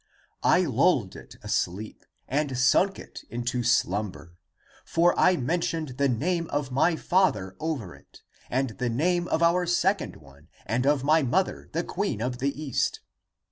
I lulled it asleep <and sunk it into slumber, > For I mentioned the name of my father over it, <And the name of our second one And of my mother, the queen of the East.